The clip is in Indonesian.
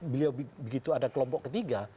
beliau begitu ada kelompok ketiga